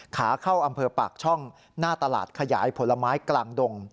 ขาเข้าอำเภอปากช่องหน้าตลาดขยายผลไม้กลางดง